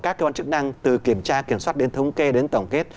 các cơ quan chức năng từ kiểm tra kiểm soát đến thống kê đến tổng kết